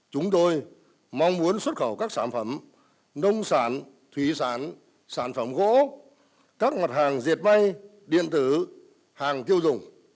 chúng tôi mong muốn xuất khẩu các sản phẩm nông sản thủy sản sản phẩm gỗ các mặt hàng diệt may điện tử hàng tiêu dùng